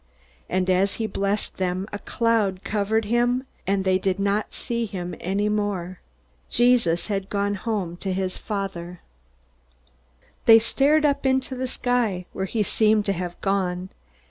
And as he blessed them, a cloud covered him, and they did not see him any more. Jesus had gone home to his Father. They stared up into the sky, where he seemed to have gone.